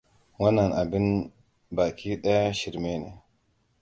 Wannan abin baki ɗaya shirme ne.